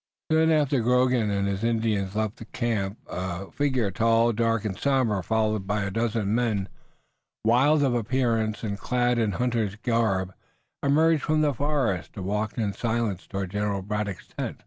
Soon after Croghan and his Indians left the camp a figure tall, dark and somber, followed by a dozen men wild of appearance and clad in hunter's garb, emerged from the forest and walked in silence toward General Braddock's tent.